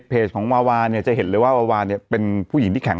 ของวาวาเนี่ยจะเห็นเลยว่าวาวาเนี่ยเป็นผู้หญิงที่แข็ง